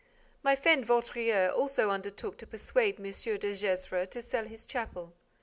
My friend Vaudreix also undertook to persuade M. de Gesvres to sell his chapel.